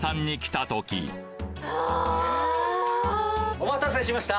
お待たせしました。